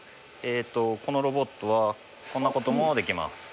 えっとこのロボットはこんなこともできます。